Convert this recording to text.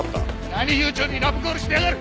何悠長にラブコールしてやがる！